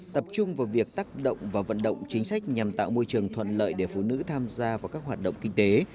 tập trung vào việc tác động và vận động chính sách nhằm tạo môi trường thuận lợi để phụ nữ tham gia vào các hoạt động kinh tế